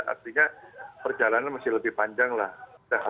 artinya perjalanan masih lebih panjang lah